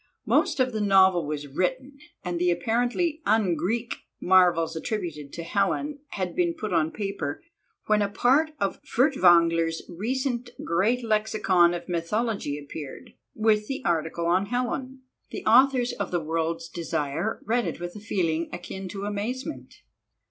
Most of the novel was written, and the apparently "un Greek" marvels attributed to Helen had been put on paper, when a part of Furtwängler's recent great lexicon of Mythology appeared, with the article on Helen. The authors of The World's Desire read it with a feeling akin to amazement.